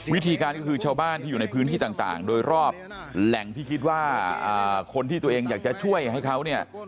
วิธีการก็คือชาวบ้านที่อยู่ในพื้นที่ต่างโดยรอบแหล่งที่คิดว่าคนที่ตัวเองอยากจะช่วยให้เขาเนี่ย